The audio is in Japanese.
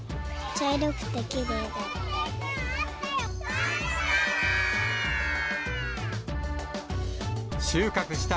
茶色くてきれいだった。